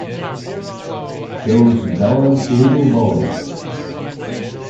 Those gallant little boys!